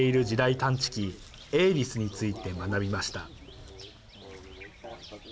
探知機ＡＬＩＳについて学びました。